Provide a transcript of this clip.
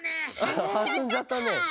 はずんじゃったね。